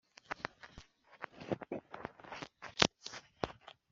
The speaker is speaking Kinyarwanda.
byatanzwe ku nteruro zivugwa mu ivumburamatsiko